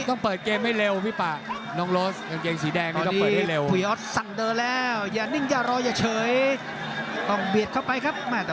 ต้องเปิดเกมให้เร็วพี่ป่า